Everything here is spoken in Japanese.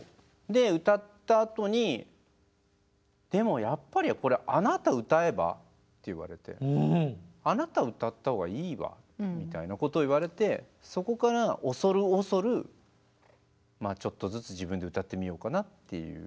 で歌ったあとに「でもやっぱりこれあなた歌えば？」って言われて「あなた歌った方がいいわ」みたいなことを言われてそこから恐る恐るまあちょっとずつ自分で歌ってみようかなっていう。